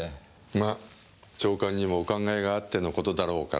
ま長官にもお考えがあっての事だろうから。